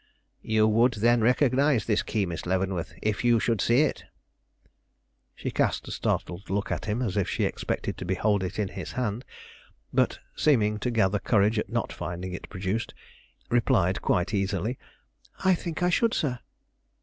"You would, then, recognize this key, Miss Leavenworth, if you should see it?" She cast a startled look at him, as if she expected to behold it in his hand; but, seeming to gather courage at not finding it produced, replied quite easily: "I think I should, sir."